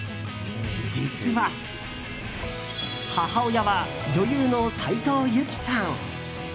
実は、母親は女優の斉藤由貴さん。